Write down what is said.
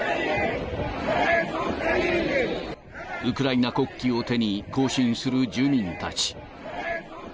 ウクライナ国旗を手に行進する住民たち。